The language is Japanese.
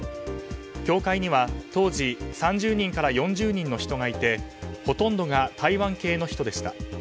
教会には当時３０人から４０人の人がいてほとんどが台湾系の人でした。